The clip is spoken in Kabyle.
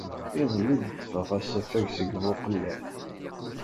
Iḍelli i d-ṭṭfeɣ asafag seg Buqellal.